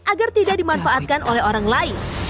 agar tidak dimanfaatkan oleh orang lain